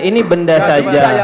ini benda saja